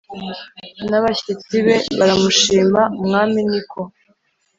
n abashyitsi be baramushima Umwami ni ko